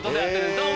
どうも！